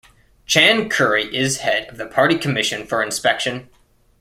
Chan Kiri is Head of the Party Commission for Inspection.